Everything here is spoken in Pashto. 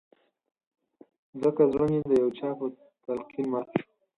ځکه زړه مې د يو چا په تلقين مات شو